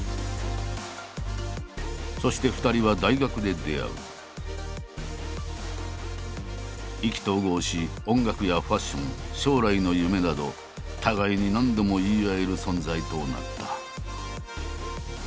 そして２人は意気投合し音楽やファッション将来の夢など互いに何でも言い合える存在となった。